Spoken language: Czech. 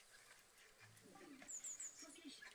Chtěl bych získat více informací.